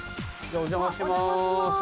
お邪魔します